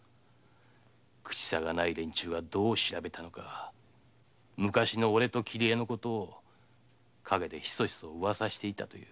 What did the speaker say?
口さがない連中がどう調べたか昔の俺と桐江のことを陰でヒソヒソ噂していたという。